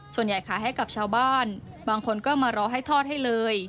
ขายให้กับชาวบ้านบางคนก็มารอให้ทอดให้เลย